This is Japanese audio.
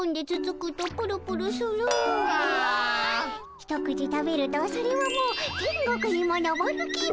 一口食べるとそれはもう天国にものぼる気分。